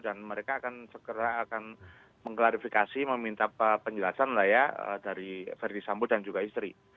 dan mereka akan segera akan mengklarifikasi meminta penjelasan lah ya dari verdi sambo dan juga istri